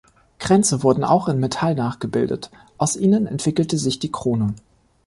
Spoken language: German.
Kränze wurden auch in Metall nachgebildet; aus ihnen entwickelte sich die Krone.